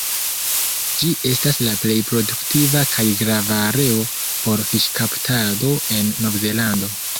Ĝi estas la plej produktiva kaj grava areo por fiŝkaptado en Novzelando.